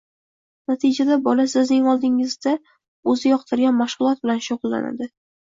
Natijada bola sizning oldingizda o‘zi yoqtirgan mashg‘ulot bilan shug‘ullanadi.